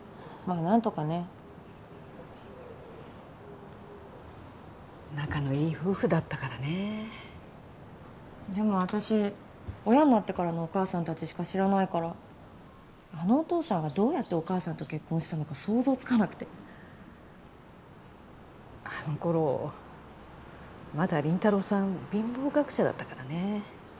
あ何とかね仲のいい夫婦だったからねえでも私親になってからのお母さん達しか知らないからあのお父さんがどうやってお母さんと結婚したのか想像つかなくてあの頃まだ林太郎さん貧乏学者だったからねえ